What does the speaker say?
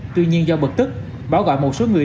tuy nhiên do bực tức bảo gọi một số người